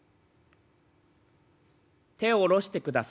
「手下ろしてください。